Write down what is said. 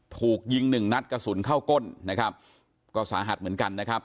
ถูกยิงหนึ่งนัดกระสุนเข้าก้นนะครับก็สาหัสเหมือนกันนะครับ